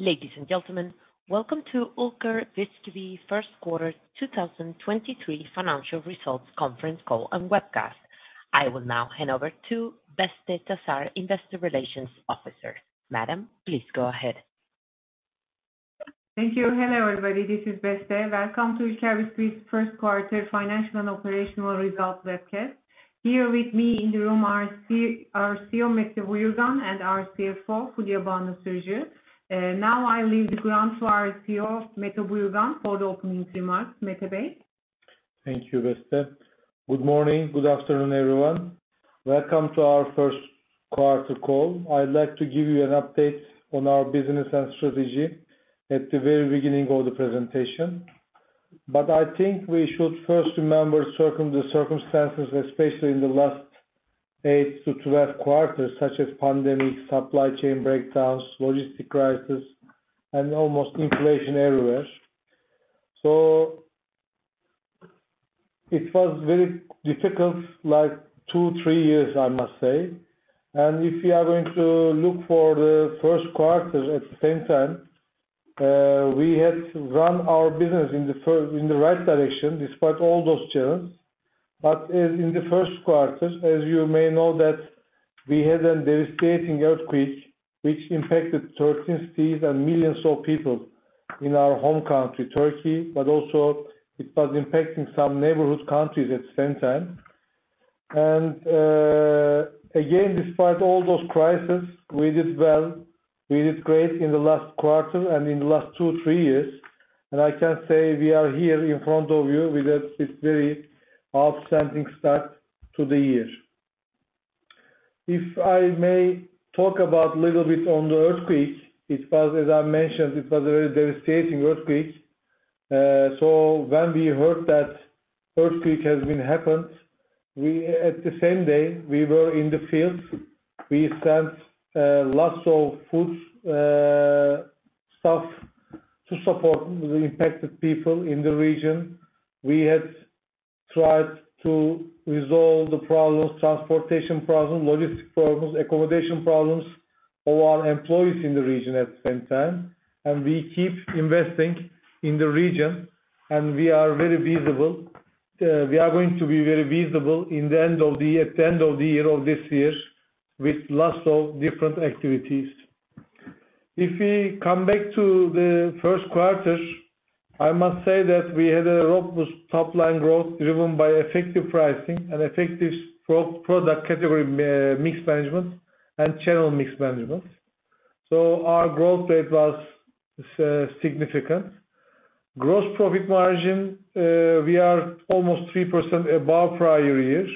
Ladies and gentlemen, welcome to Ülker Bisküvi First Quarter 2023 Financial Results Conference Call and Webcast. I will now hand over to Beste Tasar, investor relations officer. Madam, please go ahead. Thank you. Hello, everybody. This is Beste. Welcome to Ülker Bisküvi's first quarter financial and operational results webcast. Here with me in the room are our CEO, Mete Buyurgan, and our CFO, Fulya Banu Sürücü. I leave the ground to our CEO, Mete Buyurgan, for the opening remarks. Mete Bey. Thank you, Beste. Good morning, good afternoon, everyone. Welcome to our first quarter call. I'd like to give you an update on our business and strategy at the very beginning of the presentation, but I think we should first remember the circumstances, especially in the last eight to 12 quarters, such as pandemic, supply chain breakdowns, logistic crisis, and almost inflation everywhere. It was very difficult, like two, three years, I must say. If you are going to look for the first quarters at the same time, we had run our business in the right direction despite all those challenges. As in the first quarter, as you may know that we had a devastating earthquake which impacted Turkish cities and millions of people in our home country, Turkey, but also it was impacting some neighborhood countries at the same time. Again, despite all those crises, we did well, we did great in the last quarter and in the last two, three years. I can say we are here in front of you with this very outstanding start to the year. If I may talk about a little bit on the earthquake. As I mentioned, it was a very devastating earthquake. When we heard that earthquake has been happened, at the same day, we were in the field. We sent lots of food stuff to support the impacted people in the region. We had tried to resolve the problems, transportation problems, logistic problems, accommodation problems of our employees in the region at the same time. We keep investing in the region, and we are very visible. We are going to be very visible at the end of the year of this year with lots of different activities. If we come back to the first quarter, I must say that we had a robust top-line growth driven by effective pricing and effective product category mix management and channel mix management. Our growth rate was significant. Gross profit margin, we are almost 3% above prior year,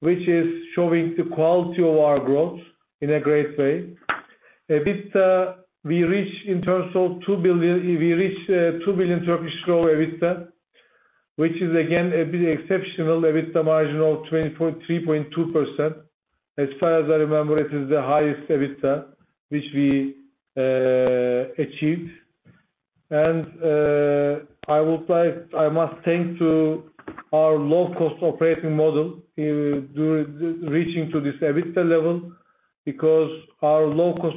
which is showing the quality of our growth in a great way. EBITDA, we reached 2 billion EBITDA, which is again, a pretty exceptional EBITDA margin of 23.2%. As far as I remember, it is the highest EBITDA which we achieved. I must thank our low-cost operating model reaching to this EBITDA level because our low-cost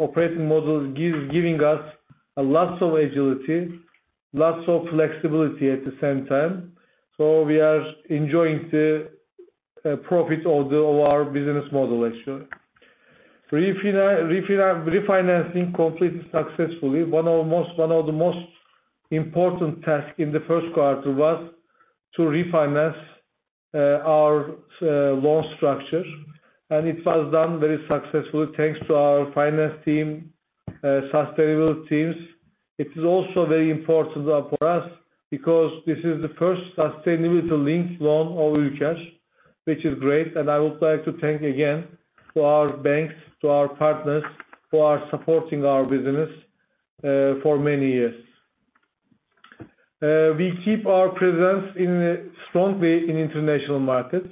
operating model is giving us lots of agility, lots of flexibility at the same time. We are enjoying the profit of our business model actually. Refinancing completed successfully. One of the most important tasks in the first quarter was to refinance our loan structure. It was done very successfully thanks to our finance team, sustainability teams. It is also very important for us because this is the first sustainability-linked loan of Ülker, which is great. I would like to thank again our banks, our partners who are supporting our business for many years. We keep our presence strongly in international markets.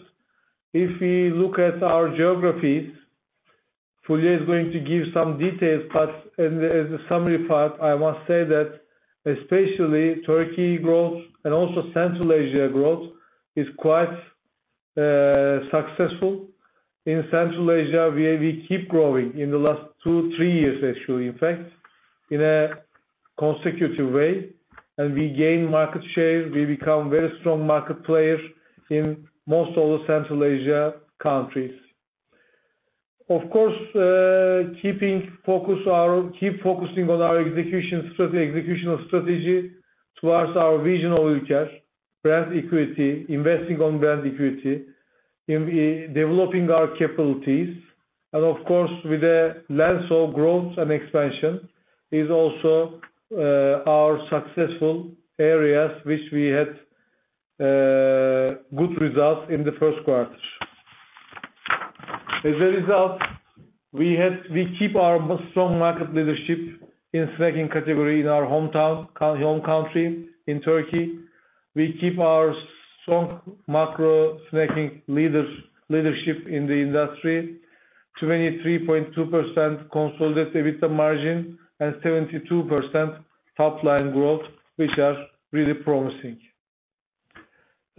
If we look at our geographies, Fulya is going to give some details, but as a summary part, I must say that especially Turkey growth and also Central Asia growth is quite successful. In Central Asia, we keep growing in the last two, three years actually, in fact, in a consecutive way. We gain market share. We become very strong market player in most of the Central Asia countries. Keep focusing on our executional strategy towards our vision of Ülker, brand equity, investing on brand equity, developing our capabilities, with a lens of growth and expansion is also our successful areas, which we had good results in the first quarter. We keep our strong market leadership in snacking category in our home country, in Turkey. We keep our strong macro snacking leadership in the industry. 23.2% consolidated EBITDA margin and 72% top-line growth, which are really promising.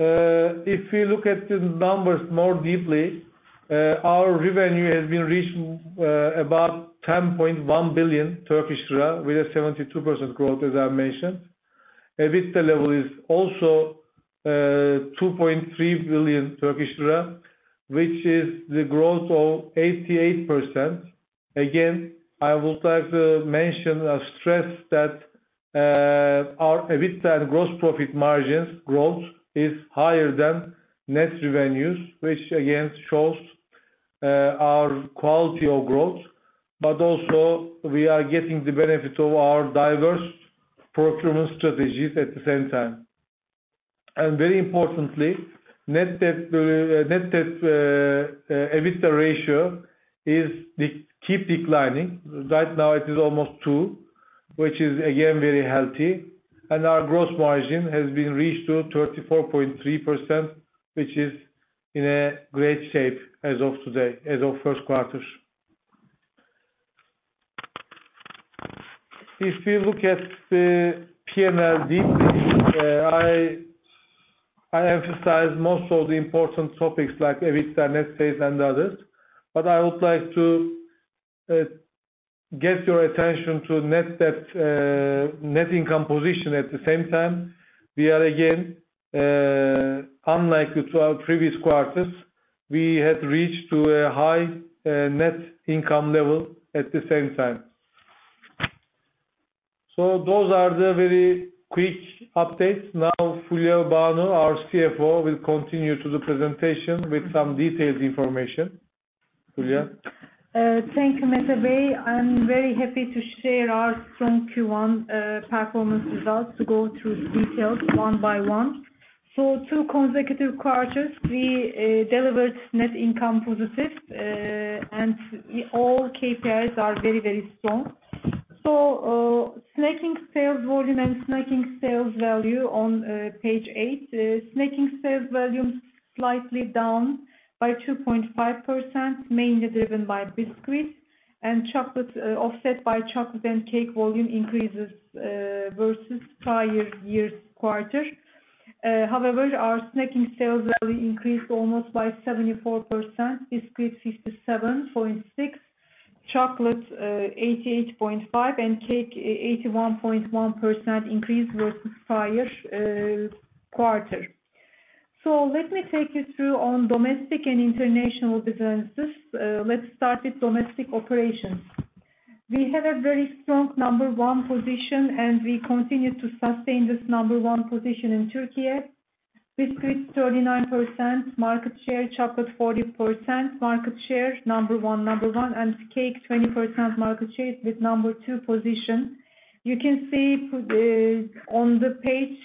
If we look at the numbers more deeply, our revenue has been reaching about 10.1 billion Turkish lira, with a 72% growth, as I mentioned. EBITDA level is also 2.3 billion Turkish lira, which is the growth of 88%. I would like to mention or stress that our EBITDA and gross profit margins growth is higher than net revenues, which again shows our quality of growth. Also we are getting the benefit of our diverse procurement strategies at the same time. Very importantly, net debt/EBITDA ratio keeps declining. Right now it is almost two, which is again, very healthy. Our gross margin has been reached to 34.3%, which is in a great shape as of first quarter. If you look at the P&L deeply, I emphasized most of the important topics like EBITDA, net sales, and others. I would like to get your attention to net income position at the same time. We are again, unlike our previous quarters, we had reached a high net income level at the same time. Those are the very quick updates. Fulya Banu, our CFO, will continue to the presentation with some detailed information. Fulya? Thank you, Mete Bey. I'm very happy to share our strong Q1 performance results to go through details one by one. Two consecutive quarters, we delivered net income positive, and all KPIs are very strong. Snacking sales volume and snacking sales value on page eight. Snacking sales volume slightly down by 2.5%, mainly driven by biscuits and offset by chocolate and cake volume increases versus prior year's quarter. However, our snacking sales value increased almost by 74%. Biscuits 57.6%, chocolates 88.5%, and cake 81.1% increase versus prior quarter. Let me take you through on domestic and international businesses. Let's start with domestic operations. We have a very strong number one position, and we continue to sustain this number one position in Turkey. Biscuits 39% market share, chocolate 40% market share, number one and number one, and cake 20% market share with number two position. You can see on the page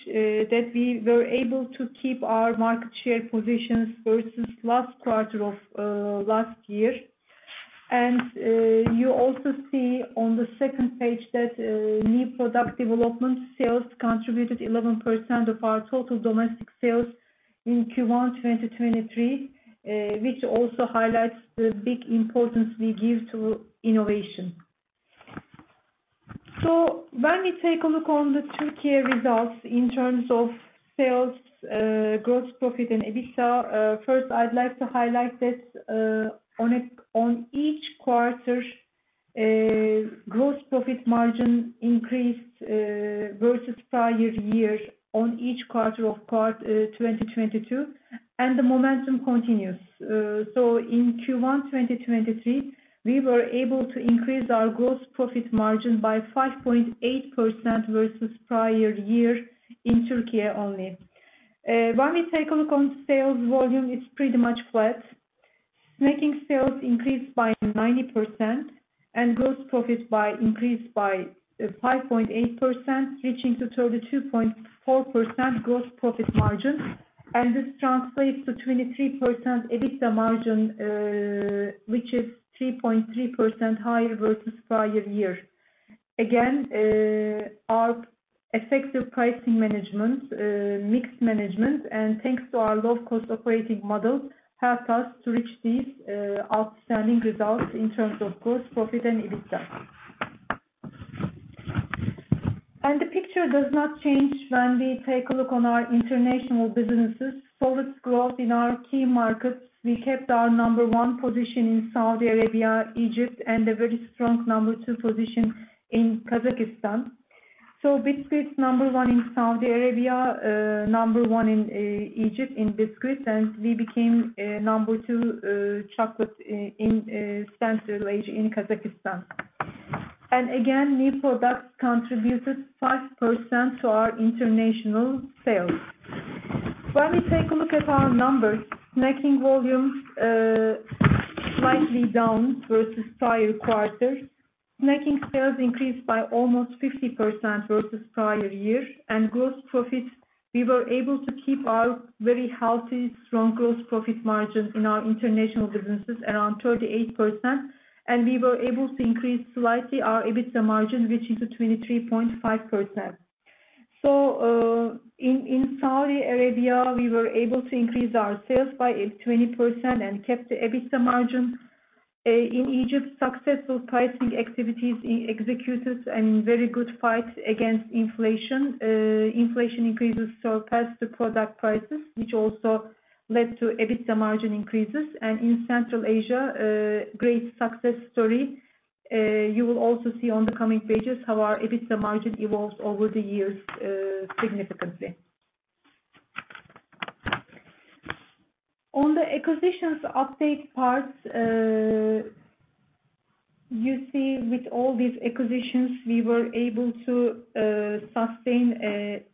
that we were able to keep our market share positions versus last quarter of last year. You also see on the second page that new product development sales contributed 11% of our total domestic sales in Q1 2023, which also highlights the big importance we give to innovation. Let me take a look on the two key results in terms of sales, gross profit, and EBITDA. First, I'd like to highlight that on each quarter, gross profit margin increased, versus prior year on each quarter of 2022, and the momentum continues. In Q1 2023, we were able to increase our gross profit margin by 5.8% versus prior year in Turkey only. When we take a look on sales volume, it's pretty much flat. Snacking sales increased by 90% and gross profit increased by 5.8%, reaching to 32.4% gross profit margin. This translates to 23% EBITDA margin, which is 3.3% higher versus prior year. Again, our effective pricing management, mixed management, and thanks to our low-cost operating model, helped us to reach these outstanding results in terms of gross profit and EBITDA. The picture does not change when we take a look on our international businesses. Solid growth in our key markets. We kept our number one position in Saudi Arabia, Egypt, and a very strong number two position in Kazakhstan. Biscuits number one in Saudi Arabia, number one in Egypt in biscuits, and we became number two chocolate in Central Asia, in Kazakhstan. Again, new products contributed 5% to our international sales. When we take a look at our numbers, snacking volumes slightly down versus prior quarter. Snacking sales increased by almost 50% versus prior year. Gross profit, we were able to keep our very healthy, strong gross profit margin in our international businesses around 38%. We were able to increase slightly our EBITDA margin, reaching to 23.5%. In Saudi Arabia, we were able to increase our sales by 20% and kept the EBITDA margin. In Egypt, successful pricing activities executed and very good fight against inflation. Inflation increases surpassed the product prices, which also led to EBITDA margin increases. In Central Asia, great success story. You will also see on the coming pages how our EBITDA margin evolves over the years significantly. On the acquisitions update part, you see with all these acquisitions, we were able to sustain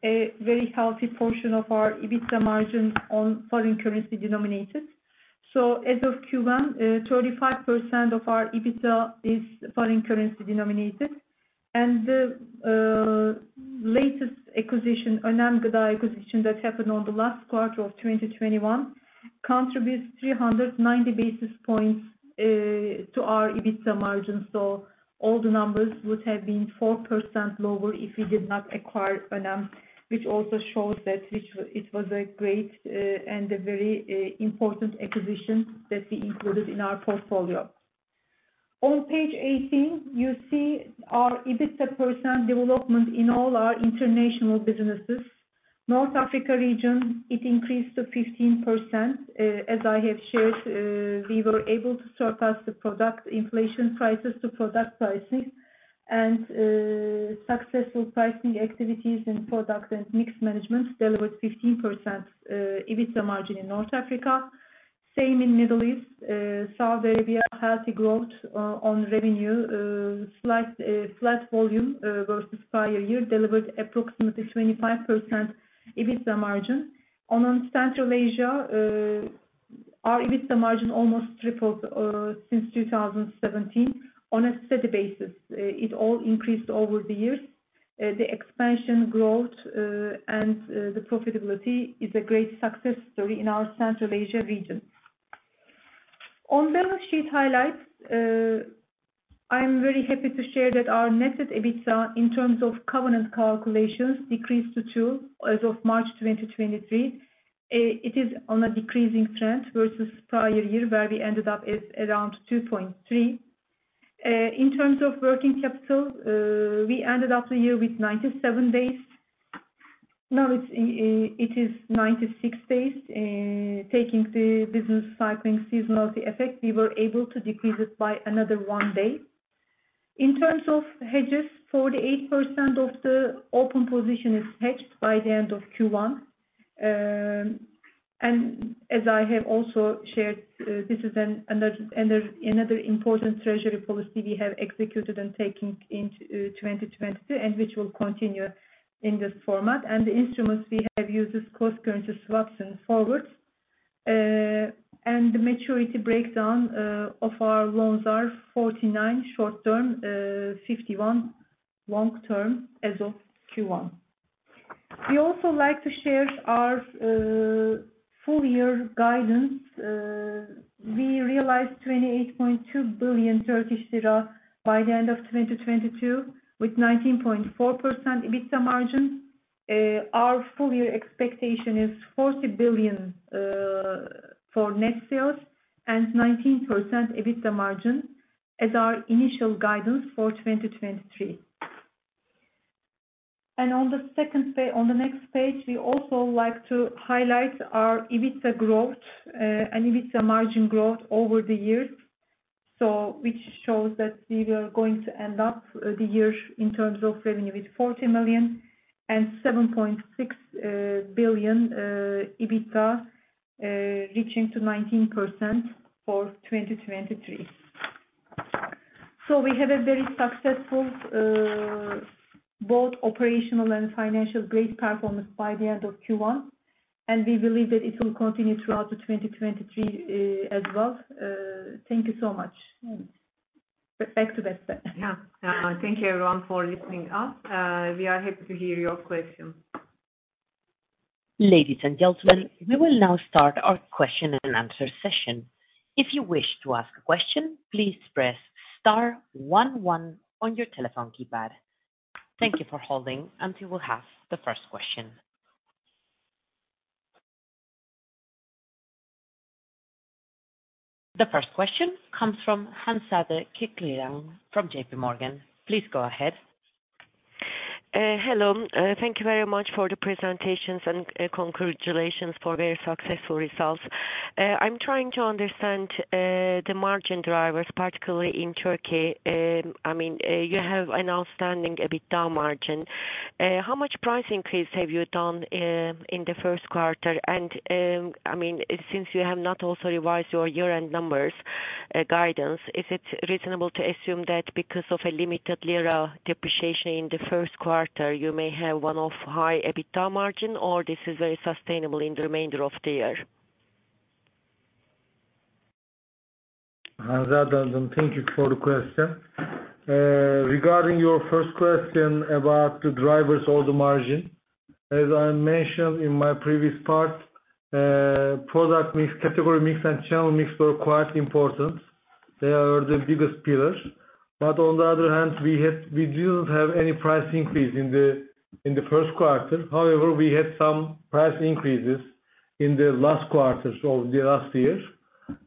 a very healthy portion of our EBITDA margins on foreign currency denominated. As of Q1, 35% of our EBITDA is foreign currency denominated. The latest acquisition, Önem Gıda acquisition, that happened on the last quarter of 2021, contributes 390 basis points to our EBITDA margin. All the numbers would have been 4% lower if we did not acquire Önem, which also shows that it was a great and a very important acquisition that we included in our portfolio. On page 18, you see our EBITDA % development in all our international businesses. North Africa region, it increased to 15%. As I have shared, we were able to surpass the product inflation prices to product pricing. Successful pricing activities in product and mix management delivered 15% EBITDA margin in North Africa. Same in Middle East. Saudi Arabia, healthy growth on revenue. Flat volume versus prior year delivered approximately 25% EBITDA margin. On Central Asia, our EBITDA margin almost tripled since 2017. On a steady basis, it all increased over the years. The expansion growth, and the profitability is a great success story in our Central Asia region. On balance sheet highlights, I am very happy to share that our net debt/EBITDA, in terms of covenant calculations, decreased to 2 as of March 2023. It is on a decreasing trend versus prior year, where we ended up as around 2.3. In terms of working capital, we ended up the year with 97 days. Now it is 96 days. Taking the business cycling seasonality effect, we were able to decrease it by another 1 day. In terms of hedges, 48% of the open position is hedged by the end of Q1. As I have also shared, this is another important treasury policy we have executed and taken in 2022, which will continue in this format. The instruments we have used is cross-currency swaps and forwards. The maturity breakdown of our loans are 49 short-term, 51 long-term as of Q1. We also like to share our full year guidance. We realized 28.2 billion Turkish lira by the end of 2022 with 19.4% EBITDA margin. Our full year expectation is 40 billion for net sales and 19% EBITDA margin as our initial guidance for 2023. On the next page, we also like to highlight our EBITDA growth and EBITDA margin growth over the years. Which shows that we were going to end up the year in terms of revenue with 40 million and 7.6 billion EBITDA, reaching to 19% for 2023. We have a very successful, both operational and financial, great performance by the end of Q1, we believe that it will continue throughout the 2023 as well. Thank you so much. Back to Beste. Yeah. Thank you everyone for listening us. We are happy to hear your question. Ladies and gentlemen, we will now start our question and answer session. If you wish to ask a question, please press star one one on your telephone keypad. Thank you for holding until we have the first question. The first question comes from Hanzade Kilickiran from JPMorgan. Please go ahead. Hello. Thank you very much for the presentations and congratulations for very successful results. I'm trying to understand the margin drivers, particularly in Turkey. You have an outstanding EBITDA margin. How much price increase have you done in the first quarter? Since you have not also revised your year-end numbers guidance, is it reasonable to assume that because of a limited lira depreciation in the first quarter, you may have one of high EBITDA margin, or this is very sustainable in the remainder of the year? Hanzade, thank you for the question. Regarding your first question about the drivers or the margin, as I mentioned in my previous part, product mix, category mix, and channel mix were quite important. They are the biggest pillars. On the other hand, we didn't have any price increase in the first quarter. However, we had some price increases in the last quarters of the last year,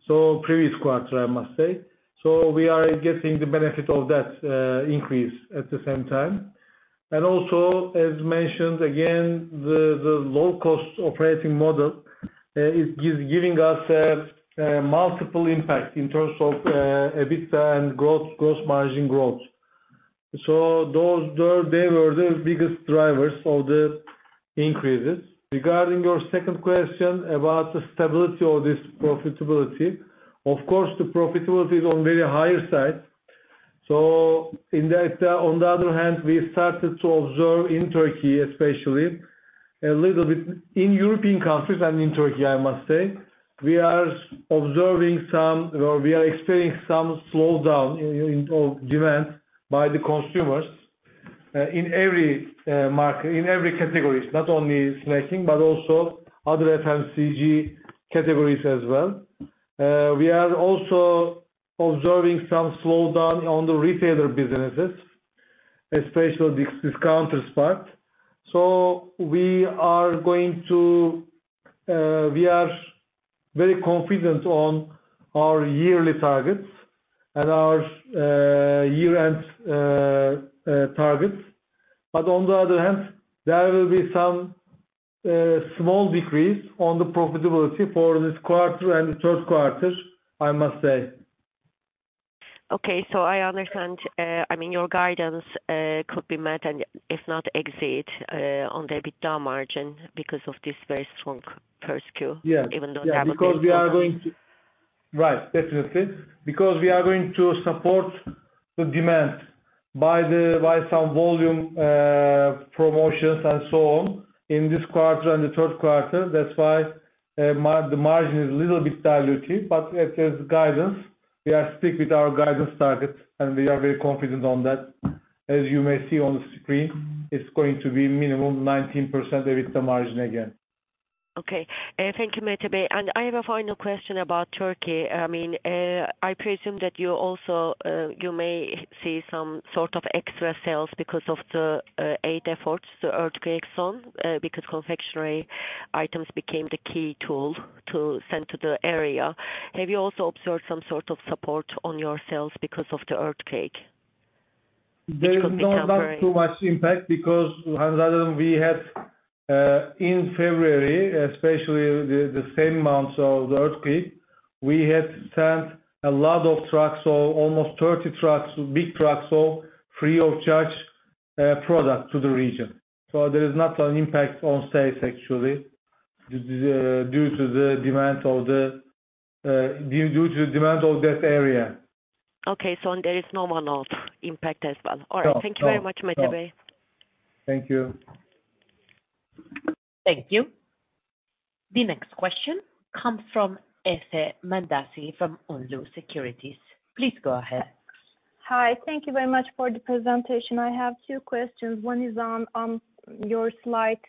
so previous quarter, I must say. We are getting the benefit of that increase at the same time. Also, as mentioned again, the low-cost operating model is giving us multiple impacts in terms of EBITDA and gross margin growth. They were the biggest drivers of the increases. Regarding your second question about the stability of this profitability, of course, the profitability is on very higher side. On the other hand, we started to observe in Turkey especially, a little bit in European countries and in Turkey, I must say, we are observing some, or we are experiencing some slowdown in demand by the consumers in every category. It's not only snacking, but also other FMCG categories as well. We are also observing some slowdown on the retailer businesses, especially discount part. We are very confident on our yearly targets and our year-end targets. On the other hand, there will be some small decrease on the profitability for this quarter and the third quarter, I must say. Okay. I understand. Your guidance could be met, and if not exceed, on the EBITDA margin because of this very strong first Q. Yeah. Even though that would be. Right. Definitely. Because we are going to support the demand by some volume promotions and so on in this quarter and the third quarter. That is why the margin is a little bit dilutive, but as guidance, we are stick with our guidance target, and we are very confident on that. As you may see on the screen, it's going to be minimum 19% EBITDA margin again. Okay. Thank you, Mete Bey. I have a final question about Turkey. I presume that you may see some sort of extra sales because of the aid efforts, the earthquake zone, because confectionery items became the key tool to send to the area. Have you also observed some sort of support on your sales because of the earthquake? It could be temporary. There is not too much impact because we had, in February, especially the same month of the earthquake, we had sent a lot of trucks, almost 30 trucks, big trucks, free of charge product to the region. There is not an impact on sales, actually, due to the demand of that area. Okay, there is no amount impact as well. All right. Thank you very much, Mete Bey. Thank you. Thank you. The next question comes from Ece Mandacı from Unlu Securities. Please go ahead. Hi. Thank you very much for the presentation. I have two questions. One is on your slide,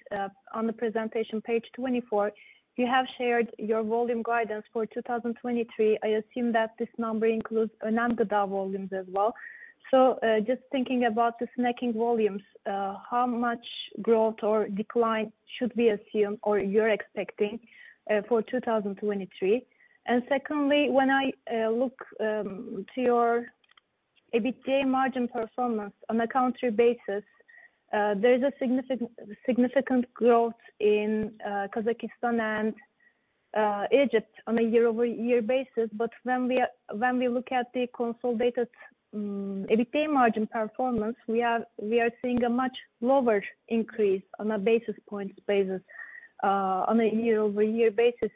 on the presentation, page 24. You have shared your volume guidance for 2023. Just thinking about the snacking volumes, how much growth or decline should we assume or you're expecting for 2023? Secondly, when I look to your EBITDA margin performance on a country basis, there is a significant growth in Kazakhstan and Egypt on a year-over-year basis. When we look at the consolidated EBITDA margin performance, we are seeing a much lower increase on a basis points basis on a year-over-year basis.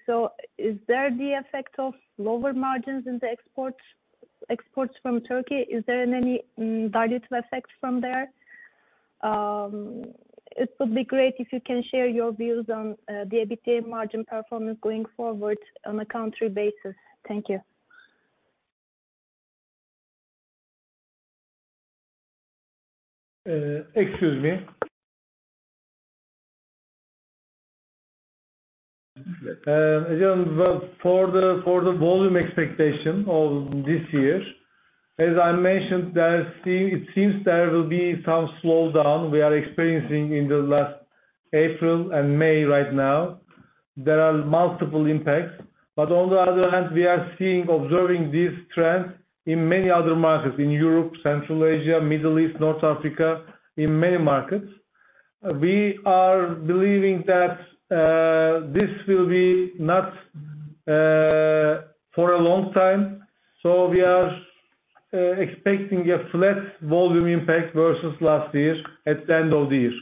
Is there the effect of lower margins in the exports from Turkey? Is there any dilutive effect from there? It would be great if you can share your views on the EBITDA margin performance going forward on a country basis. Thank you. Excuse me. For the volume expectation of this year, as I mentioned, it seems there will be some slowdown we are experiencing in the last April and May right now. There are multiple impacts. On the other hand, we are observing these trends in many other markets, in Europe, Central Asia, Middle East, North Africa, in many markets. We are believing that this will be not for a long time. We are expecting a flat volume impact versus last year at the end of this.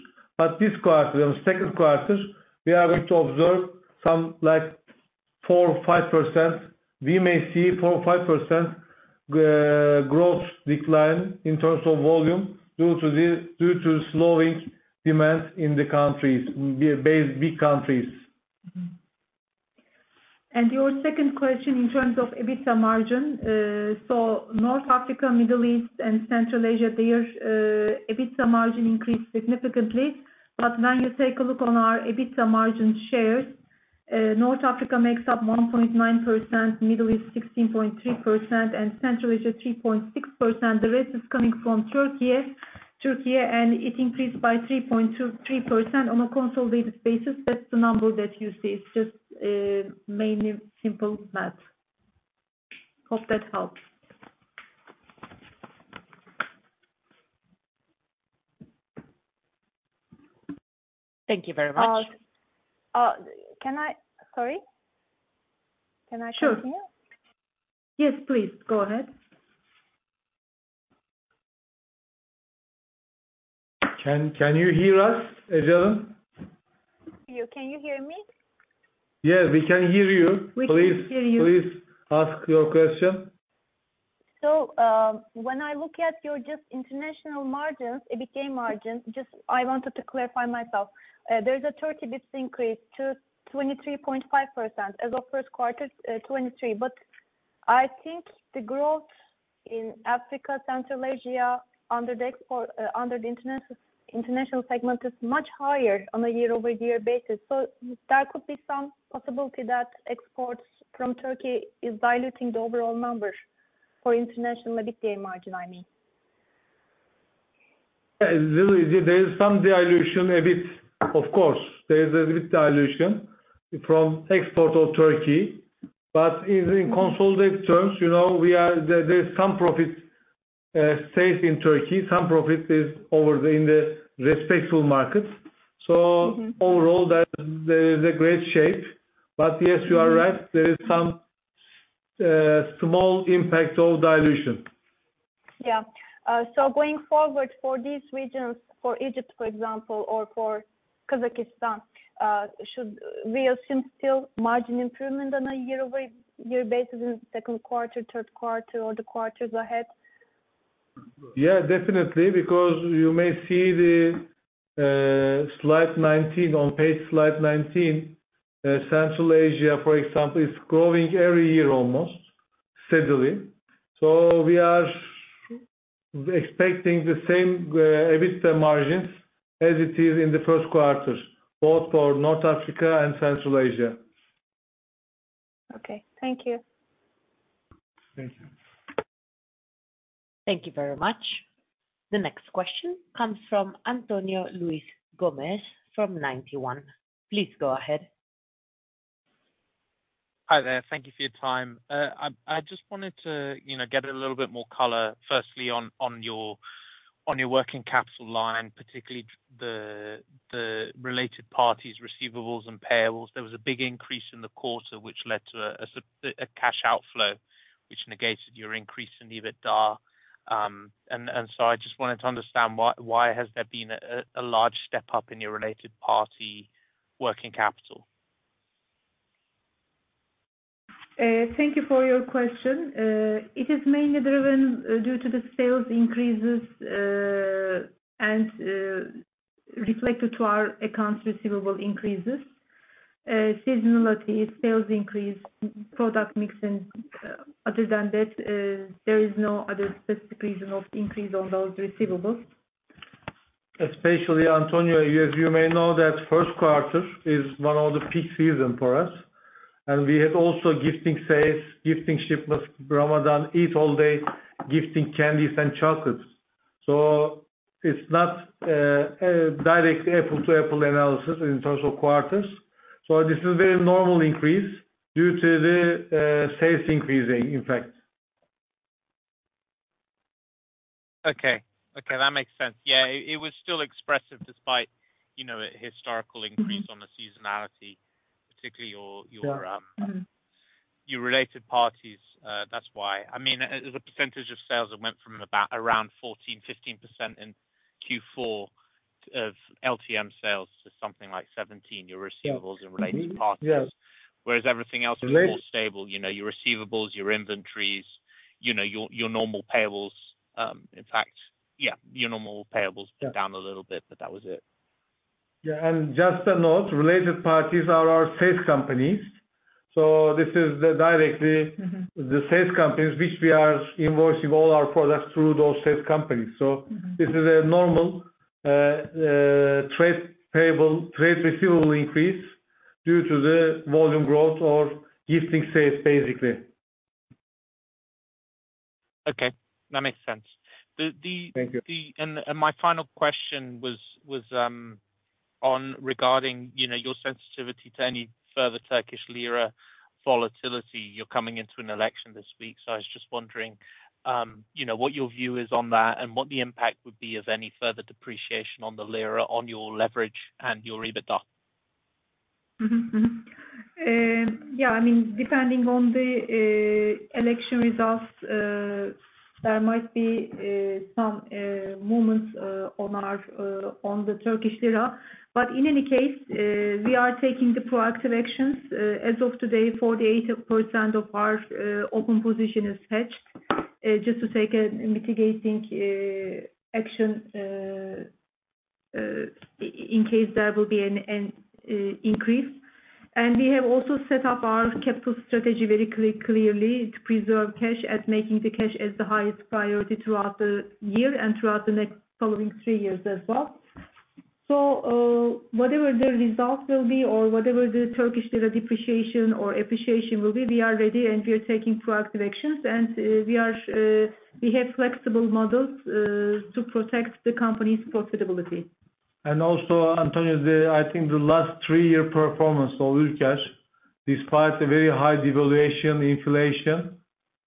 This quarter, the second quarter, we are going to observe some 4%, 5%. We may see 4% or 5% growth decline in terms of volume due to slowing demand in the big countries. Your second question in terms of EBITDA margin. North Africa, Middle East, and Central Asia, their EBITDA margin increased significantly. When you take a look on our EBITDA margin shares, North Africa makes up 1.9%, Middle East 16.3%, and Central Asia 3.6%. The rest is coming from Turkey- Turkey, it increased by 3.23% on a consolidated basis. That's the number that you see. It's just mainly simple math. Hope that helps. Thank you very much. Sorry. Can I continue? Sure. Yes, please. Go ahead. Can you hear us, Adrian? Can you hear me? Yeah, we can hear you. We can hear you. Please ask your question. When I look at your international margins, EBITDA margins, I wanted to clarify myself. There's a Turkey bit increase to 23.5% as of first quarter 2023. I think the growth in Africa, Central Asia, under the international segment is much higher on a year-over-year basis. There could be some possibility that exports from Turkey is diluting the overall numbers for international EBITDA margin, I mean. There is some dilution a bit. Of course, there is a bit dilution from export of Turkey, but in consolidated terms, there's some profit stayed in Turkey, some profit is over in the respectful markets. Overall, they're in a great shape. Yes, you are right. There is some small impact of dilution. Going forward for these regions, for Egypt, for example, or for Kazakhstan, should we assume still margin improvement on a year-over-year basis in second quarter, third quarter, or the quarters ahead? Definitely. You may see the slide 19, on page slide 19. Central Asia, for example, is growing every year almost, steadily. We are expecting the same EBITDA margins as it is in the first quarters, both for North Africa and Central Asia. Okay. Thank you. Thank you. Thank you very much. The next question comes from Antonio Luiz Gomes from Ninety One. Please go ahead. Hi there. Thank you for your time. I just wanted to get a little bit more color, firstly on your working capital line, particularly the related parties, receivables, and payables. There was a big increase in the quarter which led to a cash outflow, which negated your increase in EBITDA. I just wanted to understand why has there been a large step up in your related party working capital? Thank you for your question. It is mainly driven due to the sales increases, and reflected to our accounts receivable increases. Seasonality, sales increase, product mixing. Other than that, there is no other specific reason of increase on those receivables. Especially, Antonio, you may know that first quarter is one of the peak season for us, and we had also gifting sales, gifting shipments, Ramadan, Eid all day, gifting candies and chocolates. It's not a direct apple-to-apple analysis in terms of quarters. This is a normal increase due to the sales increasing, in fact. Okay. That makes sense. Yeah, it was still expressive despite a historical increase on the seasonality. Yeah. your related parties. That's why. As a percentage of sales, it went from around 14, 15% in Q4 of LTM sales to something like 17, your receivables and related parties. Yes. Everything else was more stable. Your receivables, your inventories, your normal payables. In fact, your normal payables- Yeah Went down a little bit. That was it. Just a note, related parties are our sales companies. This is directly the sales companies which we are invoicing all our products through those sales companies. This is a normal trade receivable increase due to the volume growth of gifting sales, basically. Okay. That makes sense. Thank you. My final question was regarding your sensitivity to any further Turkish lira volatility. You're coming into an election this week, so I was just wondering what your view is on that and what the impact would be of any further depreciation on the lira on your leverage and your EBITDA. Yeah, depending on the election results, there might be some movements on the Turkish lira. In any case, we are taking the proactive actions. As of today, 48% of our open position is hedged. Just to take a mitigating action in case there will be an increase. We have also set up our capital strategy very clearly to preserve cash, as making the cash as the highest priority throughout the year and throughout the next following three years as well. Whatever the result will be or whatever the Turkish lira depreciation or appreciation will be, we are ready and we are taking proactive actions. We have flexible models to protect the company's profitability. Antonio, I think the last three year performance of Ülker, despite a very high devaluation, inflation,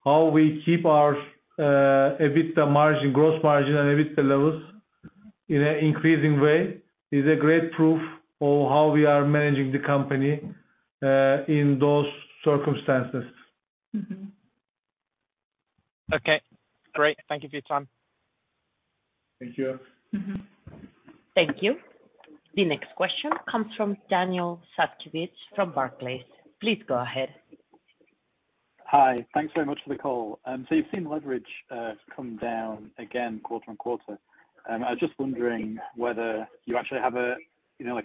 how we keep our EBITDA margin, gross margin and EBITDA levels in an increasing way is a great proof of how we are managing the company in those circumstances. Great. Thank you for your time. Thank you. Thank you. The next question comes from Daniel Satkiewicz from Barclays. Please go ahead. Hi. Thanks very much for the call. You've seen leverage come down again quarter-on-quarter. I was just wondering whether you actually have a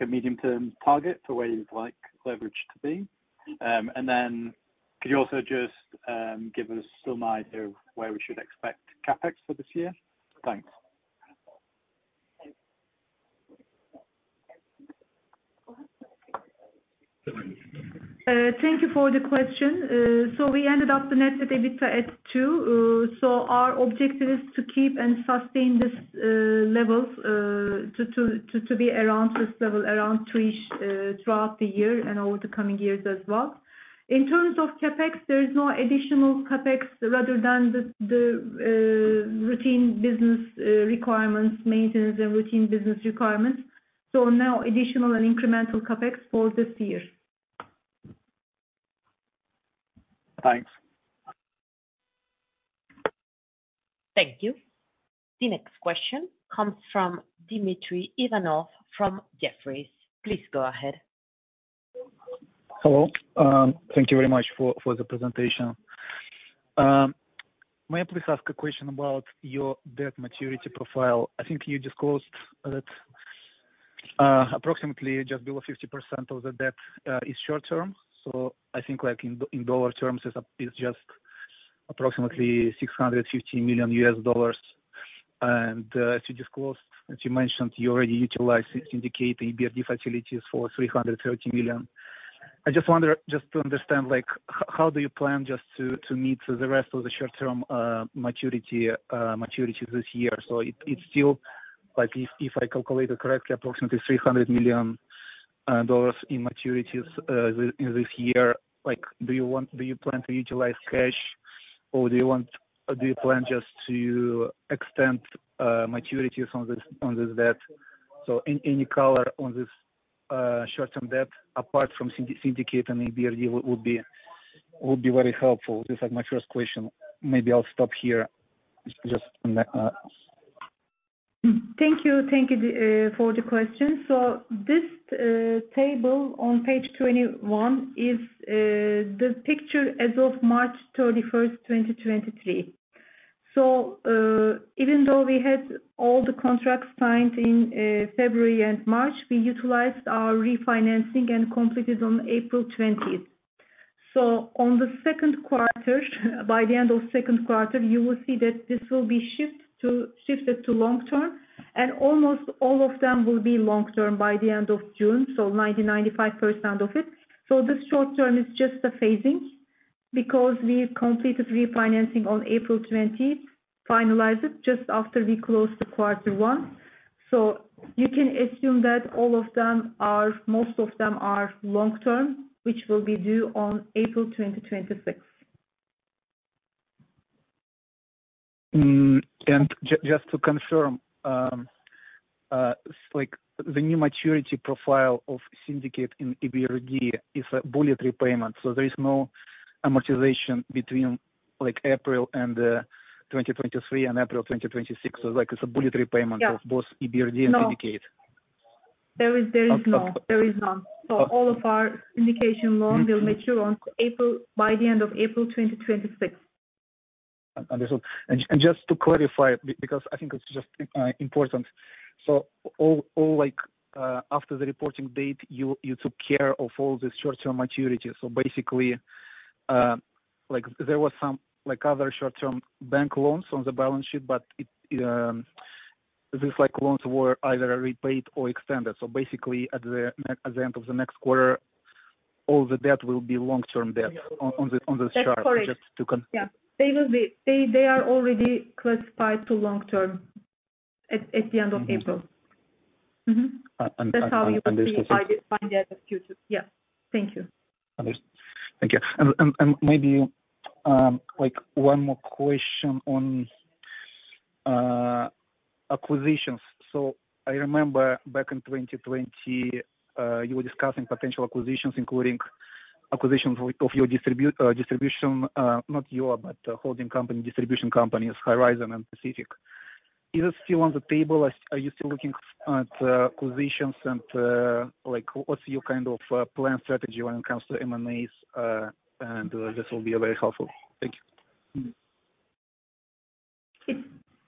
medium term target for where you'd like leverage to be. Could you also just give us some idea of where we should expect CapEx for this year? Thanks. Thank you for the question. We ended up the net debt/EBITDA at 2. Our objective is to keep and sustain these levels to be around this level, around 3 throughout the year and over the coming years as well. In terms of CapEx, there is no additional CapEx rather than the routine business requirements, maintenance and routine business requirements. No additional and incremental CapEx for this year. Thanks. Thank you. The next question comes from Dmitry Ivanov from Jefferies. Please go ahead. Hello. Thank you very much for the presentation. May I please ask a question about your debt maturity profile? I think you disclosed that approximately just below 50% of the debt is short-term. I think in dollar terms, it's just approximately $650 million USD. As you disclosed, as you mentioned, you already utilized syndicate EBRD facilities for $330 million. I just wonder, just to understand, how do you plan just to meet the rest of the short-term maturity this year? It's still, if I calculate it correctly, approximately $300 million in maturities this year. Do you plan to utilize cash or do you plan just to extend maturities on this debt? Any color on this short-term debt apart from syndicate and EBRD would be very helpful. This is my first question. Maybe I'll stop here. Thank you. Thank you for the question. This table on page 21 is the picture as of March 31st, 2023. Even though we had all the contracts signed in February and March, we utilized our refinancing and completed on April 20th. By the end of second quarter, you will see that this will be shifted to long-term, and almost all of them will be long-term by the end of June. 90, 95% of it. This short-term is just the phasing, because we completed refinancing on April 20th, finalized it just after we closed the quarter one. You can assume that most of them are long-term, which will be due on April 2026. Just to confirm, the new maturity profile of syndicate in EBRD is a bullet repayment, so there is no amortization between April and the 2023 and April 2026. It's a bullet repayment- Yeah of both EBRD and syndicate. No. There is none. All of our syndication loan will mature by the end of April 2026. Understood. Just to clarify, because I think it's just important. After the reporting date, you took care of all the short-term maturity. Basically, there was some other short-term bank loans on the balance sheet, but these loans were either repaid or extended. Basically at the end of the next quarter, all the debt will be long-term debt on this chart. That's correct. Just to con- They are already classified to long-term at the end of April. Understood. That's how you will see by the end of Q2. Yeah. Thank you. Understood. Thank you. Maybe one more question on acquisitions. I remember back in 2020, you were discussing potential acquisitions, including acquisitions of your distribution, not your, but holding company, distribution companies, Horizon and Pasifik. Is it still on the table? Are you still looking at acquisitions and what's your plan strategy when it comes to M&A? This will be very helpful. Thank you.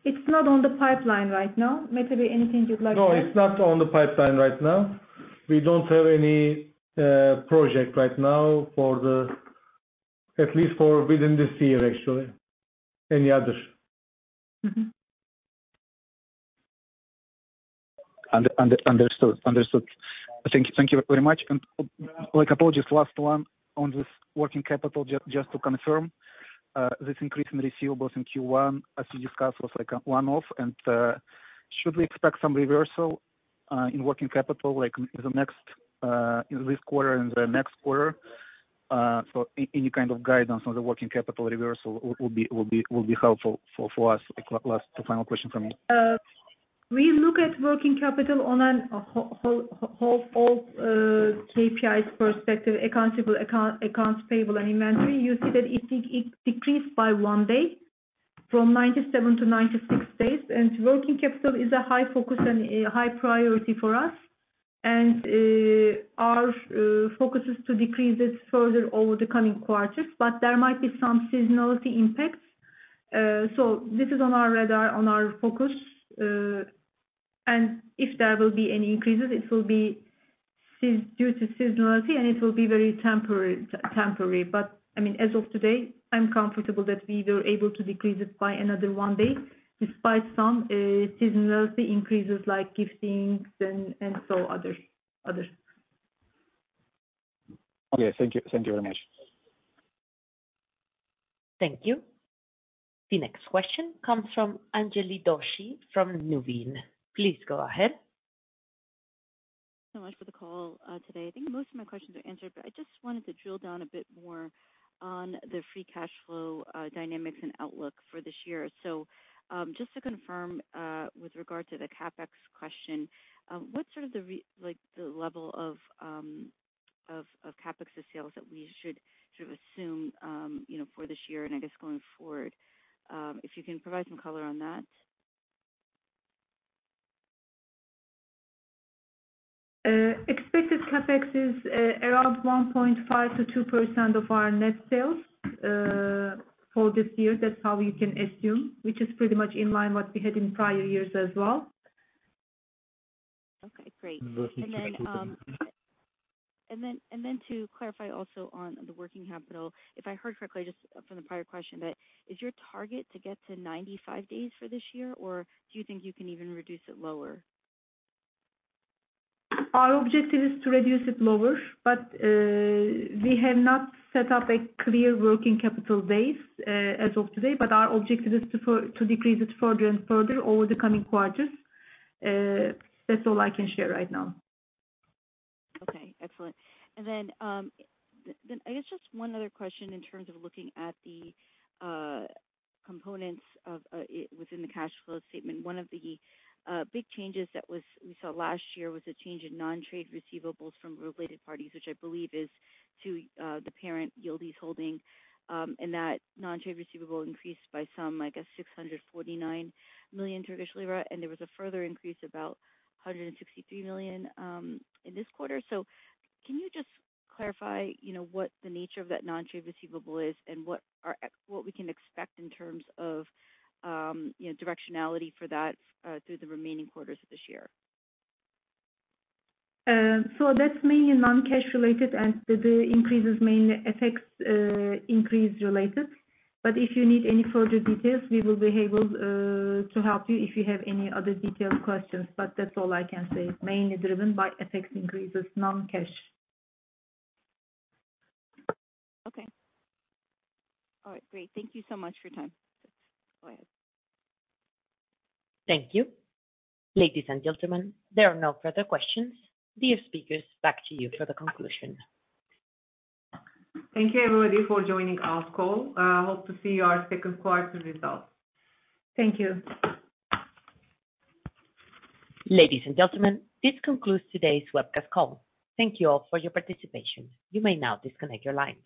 It's not on the pipeline right now. Metin, anything you'd like to add? No, it's not on the pipeline right now. We don't have any project right now. At least for within this year, actually. Any others? Understood. Thank you very much. Apologies, last one on this working capital, just to confirm, this increase in receivables in Q1, as you discussed, was like a one-off. Should we expect some reversal in working capital in this quarter and the next quarter? Any kind of guidance on the working capital reversal will be helpful for us. Last final question from me. We look at working capital on an all KPIs perspective, accounts payable and inventory. You see that it decreased by one day from 97 to 96 days. Working capital is a high focus and a high priority for us. Our focus is to decrease it further over the coming quarters. There might be some seasonality impacts. This is on our radar, on our focus. If there will be any increases, it will be due to seasonality, and it will be very temporary. As of today, I'm comfortable that we were able to decrease it by another one day, despite some seasonality increases like giftings and so others. Okay. Thank you very much. Thank you. The next question comes from Anjali Doshi from Nuveen. Please go ahead. Thanks so much for the call today. I think most of my questions are answered, but I just wanted to drill down a bit more on the free cash flow dynamics and outlook for this year. Just to confirm with regard to the CapEx question, what's sort of the level of CapEx to sales that we should sort of assume for this year, and I guess going forward? If you can provide some color on that. Expected CapEx is around 1.5%-2% of our net sales for this year. That's how you can assume, which is pretty much in line what we had in prior years as well. Okay, great. The working capital. To clarify also on the working capital, if I heard correctly just from the prior question, but is your target to get to 95 days for this year, or do you think you can even reduce it lower? Our objective is to reduce it lower, but we have not set up a clear working capital base as of today. Our objective is to decrease it further and further over the coming quarters. That's all I can share right now. Okay. Excellent. I guess just one other question in terms of looking at the components within the cash flow statement. One of the big changes that we saw last year was a change in non-trade receivables from related parties, which I believe is to the parent Yıldız Holding. That non-trade receivable increased by some, I guess, 649 million Turkish lira, and there was a further increase, about 163 million, in this quarter. Can you just clarify what the nature of that non-trade receivable is and what we can expect in terms of directionality for that through the remaining quarters of this year? That's mainly non-cash related. The increases mainly FX increases related. If you need any further details, we will be able to help you if you have any other detailed questions. That's all I can say. It's mainly driven by FX increases, non-cash. Okay. All right, great. Thank you so much for your time. Go ahead. Thank you. Ladies and gentlemen, there are no further questions. Dear speakers, back to you for the conclusion. Thank you everybody for joining our call. Hope to see our second quarter results. Thank you. Ladies and gentlemen, this concludes today's webcast call. Thank you all for your participation. You may now disconnect your lines.